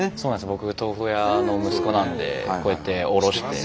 僕豆腐屋の息子なんでこうやって卸して。